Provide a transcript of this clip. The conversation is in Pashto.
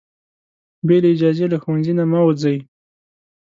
بې له اجازې له ښوونځي نه مه وځئ.